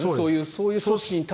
そういう組織に対して。